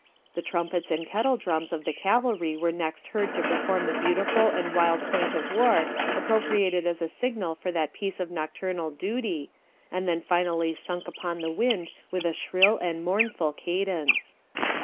The trumpets and kettle drums of the cavalry were next heard to perform the beautiful and wild point of war appropriated as a signal for that piece of nocturnal duty, and then finally sunk upon the wind with a shrill and mournful cadence.